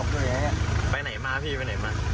ไปไหนมาพี่มาไหนมา